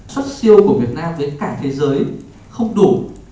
xuất siêu của việt nam đến cả thế giới không đủ